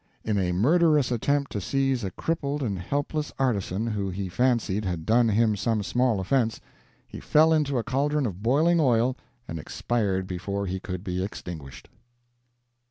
In a murderous attempt to seize a crippled and helpless artisan who he fancied had done him some small offense, he fell into a caldron of boiling oil and expired before he could be extinguished.